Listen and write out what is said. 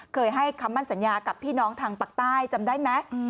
เคยให้คำมั่นสัญญากับพี่น้องทางปากใต้จำได้ไหม